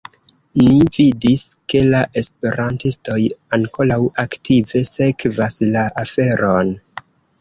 Ni vidis, ke la esperantistoj ankoraŭ aktive sekvas la aferon.